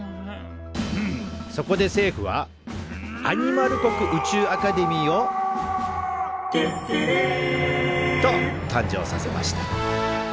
そこで政府はアニマル国宇宙アカデミーを「てってれー！」と誕生させました。